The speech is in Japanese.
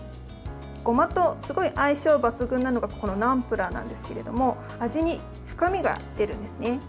ごまとすごい相性抜群なのがこのナムプラーなんですけれども味に深みが出るんですね。